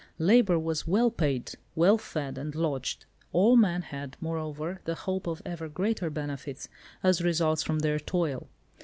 Labour was well paid, well fed and lodged. All men had, moreover, the hope of even greater benefits, as results from their toil.